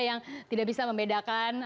yang tidak bisa membedakan